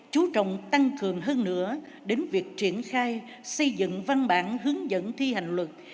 chú trọng tăng cường hơn nữa đến việc triển khai xây dựng văn bản hướng dẫn thi hành luật